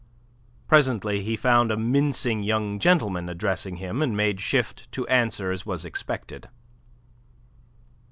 Presently he found a mincing young gentleman addressing him, and made shift to answer as was expected.